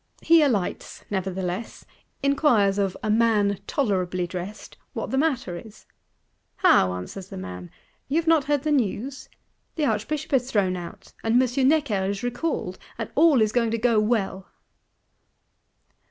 He alights nevertheless; inquires of a "man tolerably dressed," what the matter is?—'How?' answers the man, 'you have not heard the news? The Archbishop is thrown out, and M. Necker is recalled; and all is going to go well!